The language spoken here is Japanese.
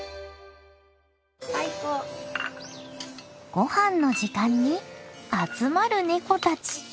ご飯の時間に集まるネコたち。